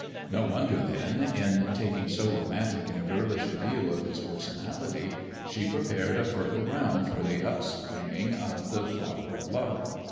"No wonder, then, in taking so romantic and girlish a view of his personality, she prepared a fertile ground for the upspringing of the flower of love.